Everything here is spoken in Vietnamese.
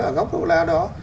ở góc độ đó